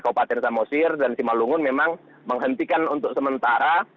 kabupaten samosir dan simalungun memang menghentikan untuk sementara